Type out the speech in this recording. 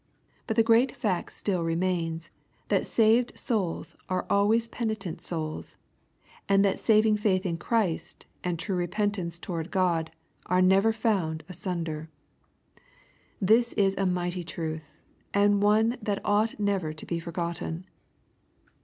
But the great fact still remains, that saved souls are always penitent souls, and that saving faith in Christ, and true repent ance toward God, are never found asunder. This is a mighty truth, and one that ought never to be forgotten.